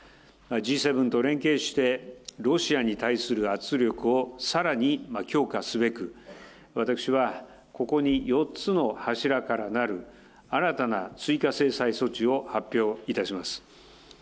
Ｇ７と連携してロシアに対する圧力をさらに強化すべく、私はここに４つの柱からなる、新たな追加制裁措置を発表いたします。